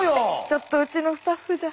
ちょっとうちのスタッフじゃ。